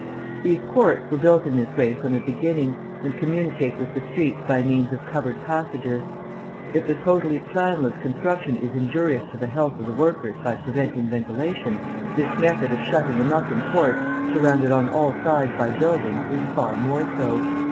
These courts were built in this way from the beginning, and communicate with the streets by means of covered passages. If the totally planless construction is injurious to the health of the workers by preventing ventilation, this method of shutting them up in courts surrounded on all sides by buildings is far more so.